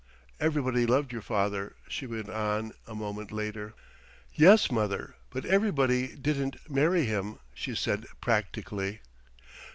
"Everybody loved your father," she went on a moment later. "Yes, mother, but everybody didn't marry him," she said practically.